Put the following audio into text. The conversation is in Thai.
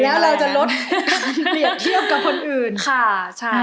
แล้วเราจะลดเปรียบเทียบกับคนอื่นค่ะใช่